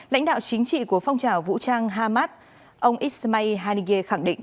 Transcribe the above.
lãnh đạo chính trị của phong trào vũ trang hamas ông ismail hanige khẳng định